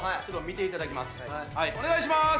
お願いしまーす。